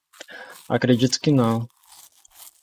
Acredito que não